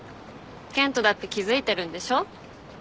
健人だって気付いてるんでしょ？